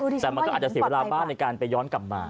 แต่มันก็อาจจะเสียเวลาบ้านในการไปย้อนกลับมา